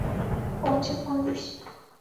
পৌঁছে phone this.